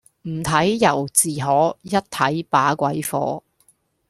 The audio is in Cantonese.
唔睇由自可,一睇把鬼火